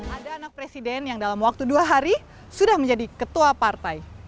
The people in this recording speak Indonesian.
ada anak presiden yang dalam waktu dua hari sudah menjadi ketua partai